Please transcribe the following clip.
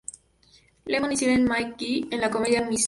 Lemon y Silent McGee en la comedia "Mr.